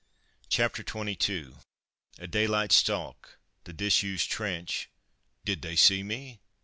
CHAPTER XXII A DAYLIGHT STALK THE DISUSED TRENCH "DID THEY SEE ME?"